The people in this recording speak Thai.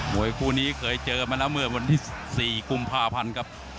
มวยคู่นี้เคยเจอมานะเมื่อวันนี้๔กุม๕พันครับ